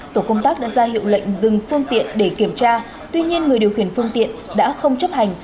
tổ công tác đã ra hiệu lệnh dừng phương tiện để kiểm tra tuy nhiên người điều khiển phương tiện đã không chấp hành